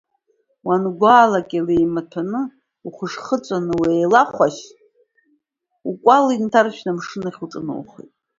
Уангәаалак, илеимаҭәаны, ухышхыҵәаны, уеилахәашь, укәал иҭаршәны амшын ахь уҿыноухоит.